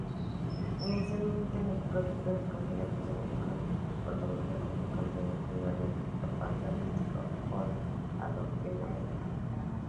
Inicialmente, las producciones confederales fueron cortometrajes, de contenido fundamentalmente propagandístico o de adoctrinamiento.